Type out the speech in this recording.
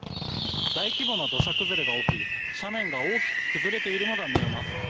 大規模な土砂崩れが起き、斜面が大きく崩れているのが見えます。